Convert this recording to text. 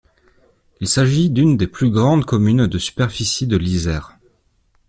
Il s'agit d'une des plus grandes communes en superficie de l'Isère.